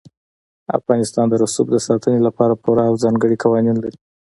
افغانستان د رسوب د ساتنې لپاره پوره او ځانګړي قوانین لري.